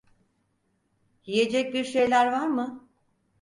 Yiyecek bir şeyler var mı?